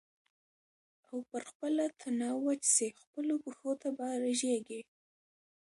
او پر خپله تنه وچ سې خپلو پښو ته به رژېږې